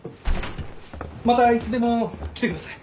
またいつでも来てください。